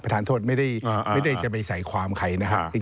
ทานโทษไม่ได้จะไปใส่ความใครนะครับ